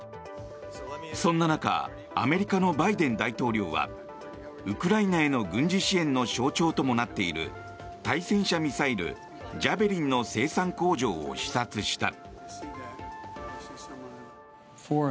そんな中アメリカのバイデン大統領はウクライナへの軍事支援の象徴ともなっている対戦車ミサイル、ジャベリンの生産工場を視察した。